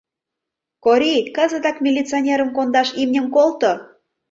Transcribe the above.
— Кори, кызытак милиционерым кондаш имньым колто!